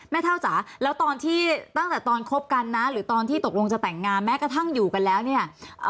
เท่าจ๋าแล้วตอนที่ตั้งแต่ตอนคบกันนะหรือตอนที่ตกลงจะแต่งงานแม้กระทั่งอยู่กันแล้วเนี่ย